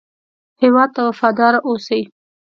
هېواد ته وفاداره اوسئ